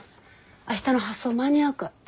明日の発送間に合うかって。